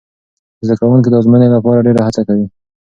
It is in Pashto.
زده کوونکي د ازموینې لپاره ډېره هڅه کوي.